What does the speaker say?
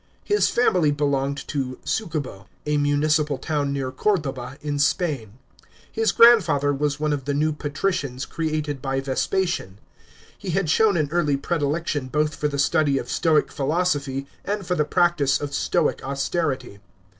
His family belonged to Succubo, a municipal town near Corduba in Spain ; his grandfather was one of the new patricians created by Vespasian. He had shown an early predilection both for the study of Stoic philosophy and for the practice of Stoic austerity.